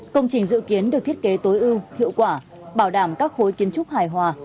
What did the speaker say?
công trình dự kiến được thiết kế tối ưu hiệu quả bảo đảm các khối kiến trúc hài hòa